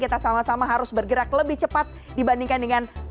kita sama sama harus bergerak lebih cepat dibandingkan dengan